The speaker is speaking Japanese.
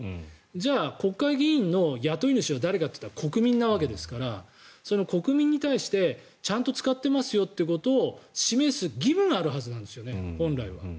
じゃあ国会議員の雇い主は誰かっていったら国民なわけですから国民に対してちゃんと使ってますよってことを示す義務があるはずなんです本来は。